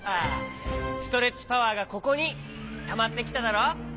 ストレッチパワーがここにたまってきただろ！